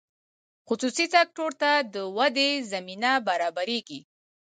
خصوصي سکتور ته د ودې زمینه برابریږي.